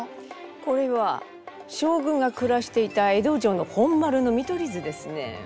これは将軍が暮らしていた江戸城の本丸の見取り図ですね。